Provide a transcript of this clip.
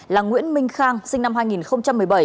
là nguyễn minh khang sinh năm hai nghìn tám